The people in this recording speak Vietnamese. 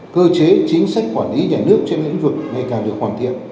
cơ chế chính sách quản lý nhà nước trên lĩnh vực ngày càng được hoàn thiện